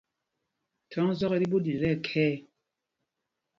Thɔŋ zɔk i tí ɓuu ɗil tí ɛkhɛɛ.